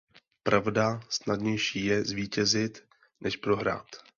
Pravda, snadnější je zvítězit, než prohrát.